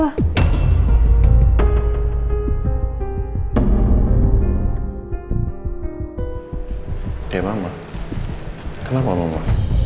ya mama kenapa mama